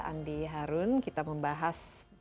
andi harun kita membahas